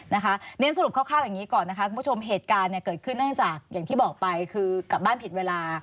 เรียนสรุปคร่าวอย่างนี้ก่อนนะคะคุณผู้ชมเหตุการณ์เกิดขึ้นเนื่องจากอย่างที่บอกไปคือกลับบ้านผิดเวลา